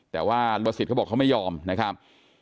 แต่ว่าบริษัทบอกเขาไม่ยอมนะครับ